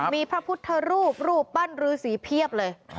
มีพระพุทธรูปรูปปั้นรือสีเพียบเลย